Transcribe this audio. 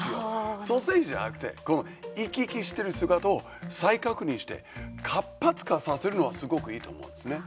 創生じゃなくて、生き生きしてる姿を再確認して活発化させるのがすごくいいと思うんですね。